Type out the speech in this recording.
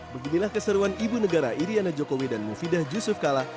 beginilah keseruan ibu negara iryana jokowi dan mufidah yusuf kala